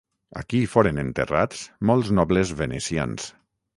Aquí foren enterrats molts nobles venecians.